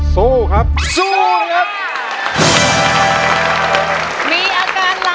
สู้ครับสู้ครับ